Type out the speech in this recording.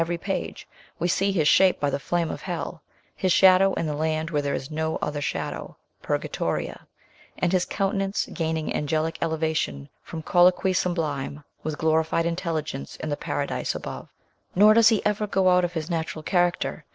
every page ; we see his shape by the flame of hell ; his shadow in the land where there is no other shadow (Purgatorio) _ and his countenance gaining angelic elevation from " colloquy sublime " with glorified intelligence in the paradise above Nor does he ever go out of his natural character.